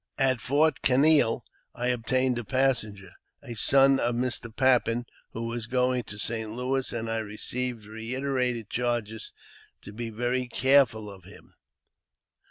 At Fort Canaille I obtained a passenger, a son of Mr. Pappen, who was going to St. Louis, and I received reiterated charges to be very careful of him.